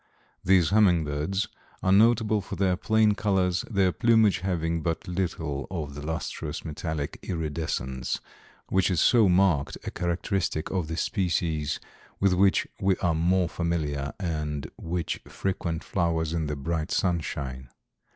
These hummingbirds are notable for their plain colors, their plumage having but little of the lustrous metallic iridescence which is so marked a characteristic of the species with which we are more familiar and which frequent flowers in the bright sunshine.